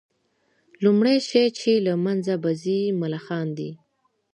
لومړى شى چي له منځه به ځي ملخان دي